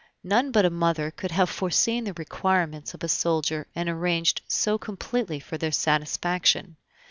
None but a mother could have foreseen the requirements of a soldier and arranged so completely for their satisfaction.